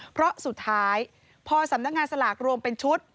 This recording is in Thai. เพราะสุดท้ายพอสำนักงานสลากรวมเป็นชุด